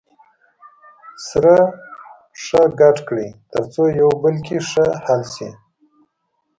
سره ښه ګډ کړئ تر څو یو په بل کې ښه حل شي.